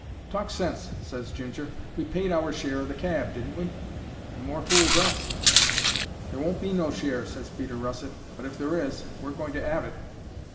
"Talk sense!" ses Ginger. "We paid our share o' the cab, didn't we? And more fools us." "There won't be no share," ses Peter Russet; "but if there is, we're going to'ave it."